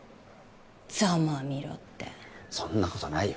ざまあみろってそんなことないよ